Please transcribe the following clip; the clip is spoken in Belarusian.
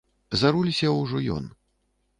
За руль сеў ужо ён.